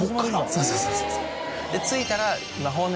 そうそうそうそう。